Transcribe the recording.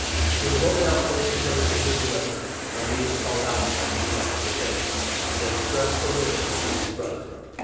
When the Roman outposts approached the river Weser, Arminius called out to them from the opposite bank, and expressed a wish to see his brother.